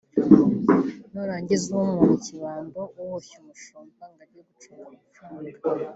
nurangiza uhe umuntu ikibando uboshye umushumba ngo najye gucunga amafaranga